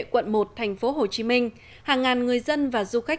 quận một thành phố hồ chí minh hàng ngàn người dân và du khách